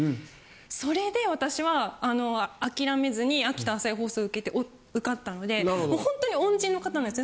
それで私は諦めずに秋田朝日放送受けて受かったのでほんとに恩人の方なんですね